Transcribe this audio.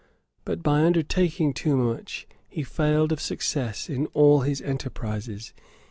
But by undertaking too much, he failed of success in all his enterprises.